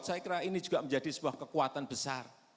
saya kira ini juga menjadi sebuah kekuatan besar